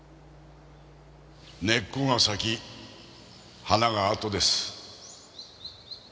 根っこが先花があとです。